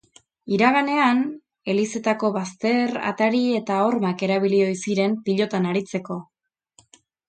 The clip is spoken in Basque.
Iraganean, elizetako bazter, atari eta hormak erabili ohi ziren pilotan aritzeko.